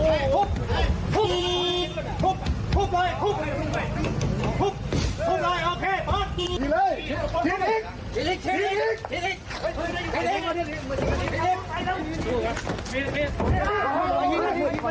เอาอีกเลยเอาสงุนสงุน